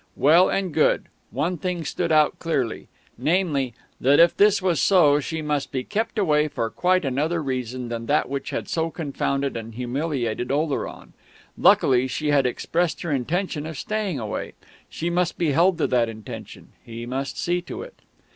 Well and good. One thing stood out clearly: namely, that if this was so, she must be kept away for quite another reason than that which had so confounded and humiliated Oleron. Luckily she had expressed her intention of staying away; she must be held to that intention. He must see to it.